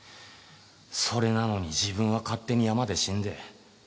それなのに自分は勝手に山で死んで。